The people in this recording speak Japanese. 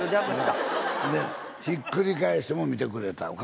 でひっくり返しても見てくれた。